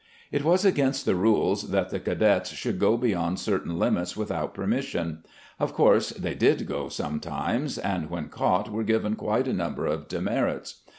It was against the rules that the cadets should go beyond certain limits without permission. Of course they did go sometimes, and when caught were given quite a number of " demerits."